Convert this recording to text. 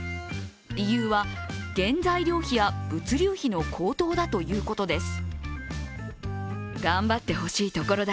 理由は、原材料費や物流費の高騰だということです。